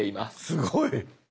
すごい！